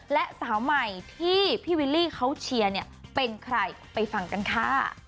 และสาวใหม่ที่พี่วิลลี่เขาเชียร์เนี่ยเป็นใครไปฟังกันค่ะ